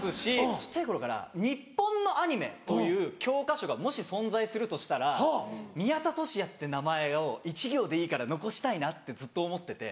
小っちゃい頃から「日本のアニメ」という教科書がもし存在するとしたら宮田俊哉って名前を１行でいいから残したいなってずっと思ってて。